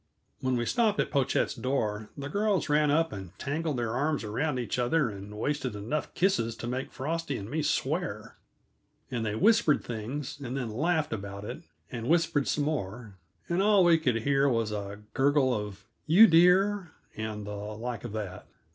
When we stopped at Pochette's door the girls ran up and tangled their arms around each other and wasted enough kisses to make Frosty and me swear. And they whispered things, and then laughed about it, and whispered some more, and all we could hear was a gurgle of "You dear!" and the like of that.